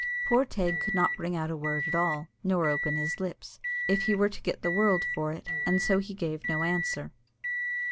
Poor Teig could not bring out a word at all, nor open his lips, if he were to get the world for it, and so he gave no answer.